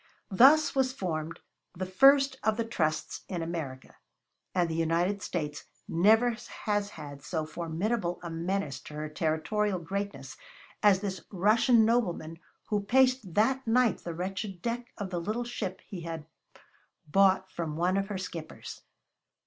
Thus was formed the first of the Trusts in America; and the United States never has had so formidable a menace to her territorial greatness as this Russian nobleman who paced that night the wretched deck of the little ship he had bought from one of her skippers.